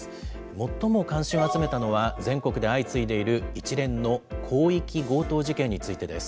最も関心を集めたのは、全国で相次いでいる一連の広域強盗事件についてです。